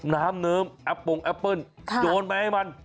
น้ำเนิ้มแอปปงแอปเปิ้ลโยนไปให้มัน